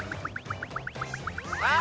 あ！